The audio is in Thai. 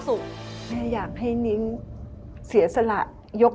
เพราะเขาสงครรภ์